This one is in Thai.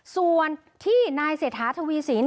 ส่วนที่นายเศรษฐาทวีสิน